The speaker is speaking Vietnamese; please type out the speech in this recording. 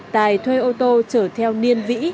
tài thuê ô tô trở theo niên vĩ